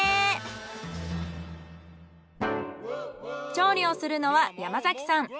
調理をするのは山崎さん。